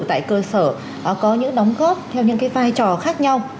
tại cơ sở có những đóng góp theo những cái vai trò khác nhau